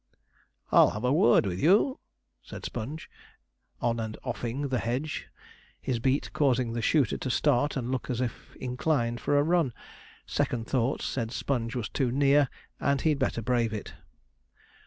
'I'll have a word with you,' said Sponge, 'on and off ing' the hedge, his beat causing the shooter to start and look as if inclined for a run; second thoughts said Sponge was too near, and he'd better brave it.